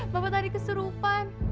bapak tadi keserupan